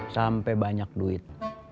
sampai banyak duit